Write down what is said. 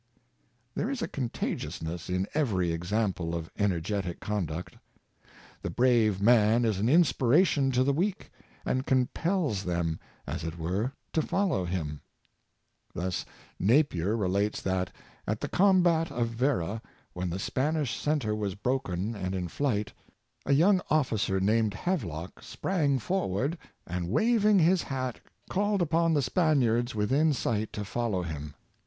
There is a contagiousness in every example of ener getic conduct. The brave man is an inspiration to the weak, and compels them, as it were, to follow him. Thus Napier relates that at the combat of Vera, when the Spanish centre was broken and in flight, a young Influence of Washington, 75 officer, named Havelock, sprang forward, and, waving his hat, called upon the Spaniards within sight to follow him.